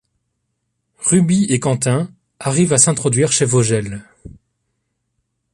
Ruby et Quentin arrivent à s'introduire chez Vogel.